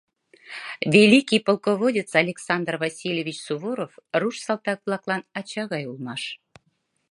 Великий полководец Александр Васильевич Суворов руш салтак-влаклан ача гай улмаш.